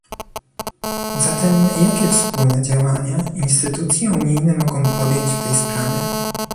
Zatem jakie wspólne działania instytucje unijne mogą podjąć w tej sprawie?